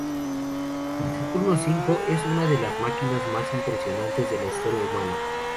El Saturno V es una de las máquinas más impresionantes de la historia humana.